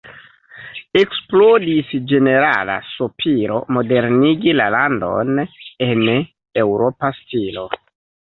Eksplodis ĝenerala sopiro modernigi la landon en eŭropa stilo.